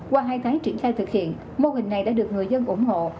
qua hai tháng triển khai thực hiện mô hình này đã được người dân ủng hộ